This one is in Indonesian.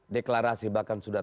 deklarasi bahkan sudah